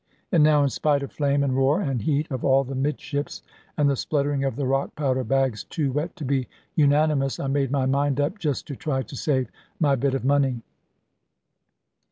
And now in spite of flame, and roar, and heat of all the 'midships, and the spluttering of the rock powder bags too wet to be unanimous, I made my mind up just to try to save my bit of money.